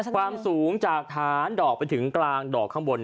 ความสูงจากฐานดอกไปถึงกลางดอกข้างบน